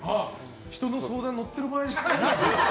人の相談に乗っている場合じゃないよ。